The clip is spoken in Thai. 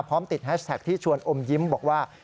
ติดแฮชแท็กที่ชวนอมยิ้มบอกว่า